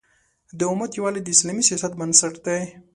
د امت یووالی د اسلامي سیاست بنسټ دی.